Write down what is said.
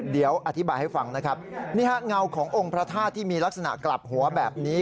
เดี๋ยวอธิบายให้ฟังนะครับนี่ฮะเงาขององค์พระธาตุที่มีลักษณะกลับหัวแบบนี้